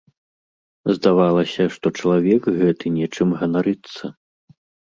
Здавалася, што чалавек гэты нечым ганарыцца.